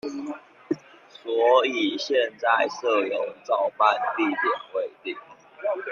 所以現在社遊照辦地點未定